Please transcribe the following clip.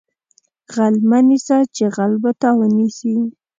غل مه نیسه چې غل به تا ونیسي